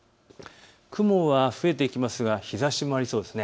雲は増えてきますが日ざしもありそうです。